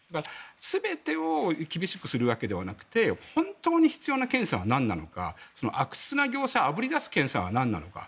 全てを厳しくするわけではなくて本当に必要な検査はなんなのか悪質な業者をあぶり出す検査はなんなのか。